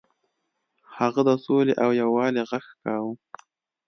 هغه د سولې او یووالي غږ کاوه.